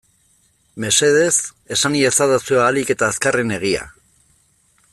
Mesedez esan iezadazue ahalik eta azkarren egia.